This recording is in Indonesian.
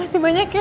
makasih banyak ya